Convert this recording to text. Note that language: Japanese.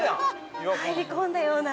◆入り込んだような。